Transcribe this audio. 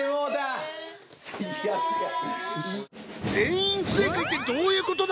最悪や全員不正解ってどういうことだ？